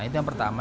itu yang pertama